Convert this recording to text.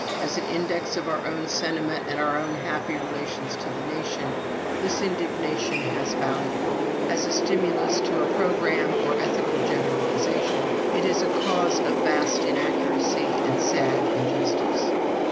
As an index of our own sentiment and our own happy relations to the nation, this indignation has value. As a stimulus to a programme or ethical generalization, it is the cause of vast inaccuracy and sad injustice.